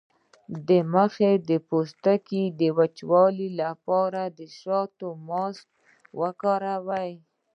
د مخ د پوستکي د وچوالي لپاره د شاتو ماسک وکاروئ